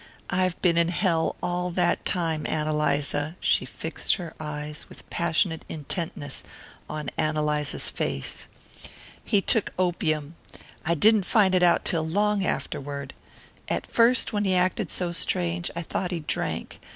I've been in hell all that time, Ann Eliza." She fixed her eyes with passionate intentness on Ann Eliza's face. "He took opium. I didn't find it out till long afterward at first, when he acted so strange, I thought he drank.